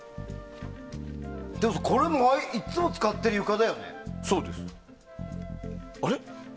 でもこれもいつも使ってる床だよね。